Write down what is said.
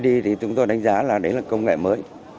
đi thì chúng tôi đánh giá là đấy là công nghệ mới